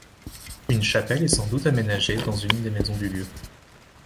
Une chapelle est sans doute aménagée dans une des maisons du lieu.